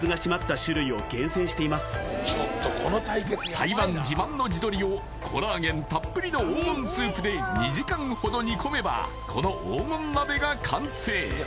台湾自慢の地鶏をコラーゲンたっぷりの黄金スープで２時間ほど煮込めばこの黄金鍋が完成